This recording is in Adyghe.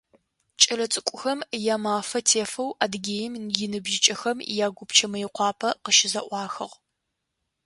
Кӏэлэцӏыкӏухэм я Мафэ тефэу Адыгеим иныбжьыкӏэхэм я Гупчэ Мыекъуапэ къыщызэӏуахыгъ.